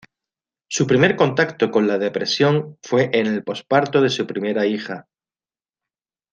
Su primer contacto con la depresión fue en el posparto de su primera hija.